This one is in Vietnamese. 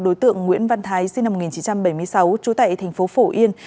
đối tượng nguyễn văn thái sinh năm một nghìn chín trăm bảy mươi sáu trú tại thành phố phổ yên